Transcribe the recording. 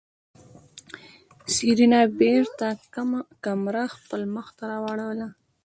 سېرېنا بېرته کمره خپل مخ ته واړوله.